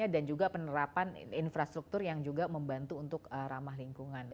dan juga penerapan infrastruktur yang juga membantu untuk ramah lingkungan